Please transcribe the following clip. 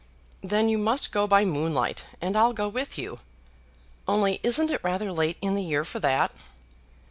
"Then you must go by moonlight, and I'll go with you. Only isn't it rather late in the year for that?"